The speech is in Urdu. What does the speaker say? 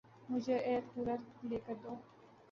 مجھے ائیر کُولر لے کر دو